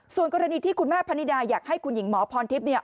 ส่วนกรณีที่คุณแม่พนิดาอยากให้คุณหญิงหมอพรทิพย์เนี่ย